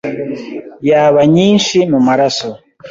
yaba nyinshi mu maraso